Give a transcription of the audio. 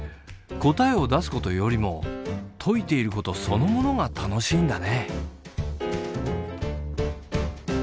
答えを出すことよりも解いていることそのものが楽しいんだね。